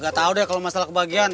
gak tau deh kalau masalah kebagian